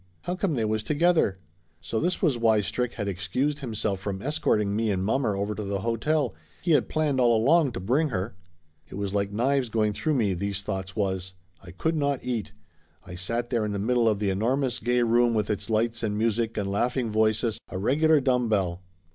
How come they was to gether? So this was why Strick had excused himself from escorting me and mommer over to the hotel he had planned all along to bring her ! It was like knives going through me, these thoughts was. I could not eat. I sat there in the middle of the enormous gay room with its lights and music and laughing voices, a regular dumb bell.